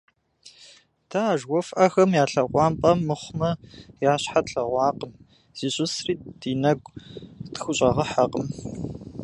Дэ а жыхуэфӀэхэм я лъэкъуампӀэ мыхъумэ, я щхьэ тлъэгъуакъым, зищӀысри ди нэгу къытхущӀэгъэхьэкъым.